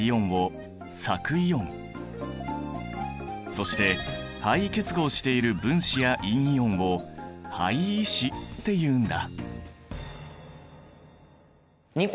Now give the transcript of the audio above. そして配位結合している分子や陰イオンを配位子っていうんだ。